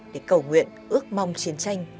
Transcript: để cầu nguyện ước mong chiến tranh